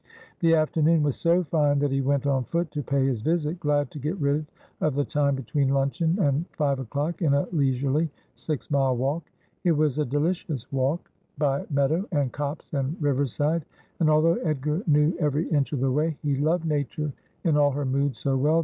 The afternoon was so fine that he went on foot to pay his visit, glad to get rid of the time between luncheon and five o'clock in a leisurely six mile walk. It was a delicious walk by meadow, and copse, and river side, and although Edgar knew every inch of the way, he loved nature in all her moods so well 'For Wele or Wo, for Carole, or for Daunce.'